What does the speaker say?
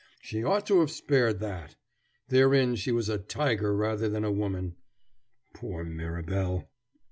She ought to have spared that. Therein she was a tiger rather than a woman. Poor Mirabel!"